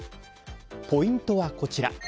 ポイントはこちら。